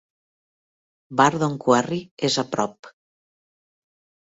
Bardon Quarry és a prop.